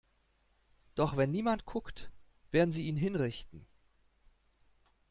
Doch wenn niemand guckt, werden sie ihn hinrichten.